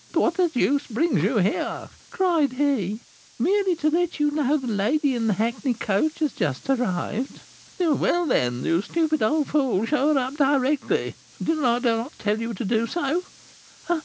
'What the deuce brings you here?' cried he. 'Merely to let you know the lady in the hackney coach has just arrived!' 'Well, then, you stupid old fool, show her up directly. Did I not tell you to do so?'